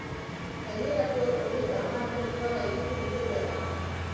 Gainerakoek hogeita hamarreko muga gainditu dute jada.